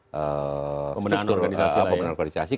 pemenangan organisasi lain